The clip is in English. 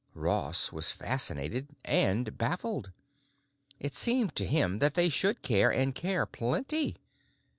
Ross was fascinated and baffled. It seemed to him that they should care and care plenty.